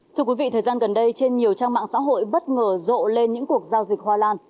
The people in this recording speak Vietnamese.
thưa quý vị thời gian gần đây trên nhiều trang mạng xã hội bất ngờ rộ lên những cuộc giao dịch hoa lan